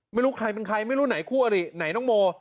ไม่รู้ใครเป็นใครไม่รู้ไหนคู่อริไหนน้องโม